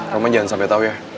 rumah jangan sampai tau ya